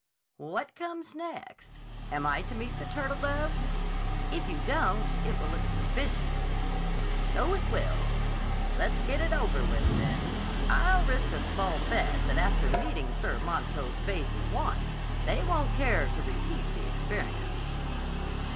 "What comes next? Am I to meet the turtledoves?" "If you don't, it will look suspicious." "So it will. Let's get it over with, then. I'll risk a small bet that after meeting Sir Montrose Veyze once, they won't care to repeat the experience."